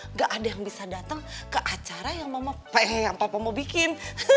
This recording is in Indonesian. nggak ada yang bisa datang ke acara yang papa mau bikin